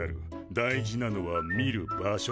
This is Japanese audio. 大事なのは見る場所だ。